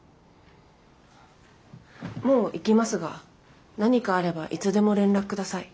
もう行きますが何かあればいつでも連絡下さい。